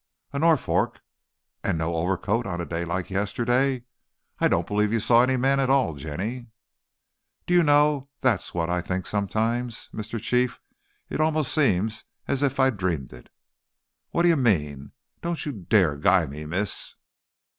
"A Norfolk, and no overcoat on a day like yesterday! I don't believe you saw any man at all, Jenny!" "Do you know, that's what I think sometimes, Mr. Chief! It almost seems's if I dreamed it." "What do you mean! Don't you dare guy me, miss!"